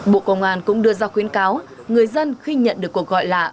bộ công an cũng đưa ra khuyến cáo người dân khi nhận được cuộc gọi lạ